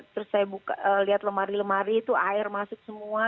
terus saya lihat lemari lemari itu air masuk semua